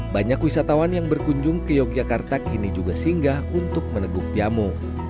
banyak wisatawan yang berkunjung ke yogyakarta kini juga singgah untuk meneguk jamu